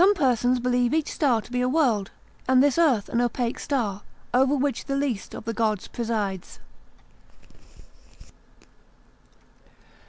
——— Some persons believe each star to be a world, and this earth an opaque star, over which the least of the gods presides.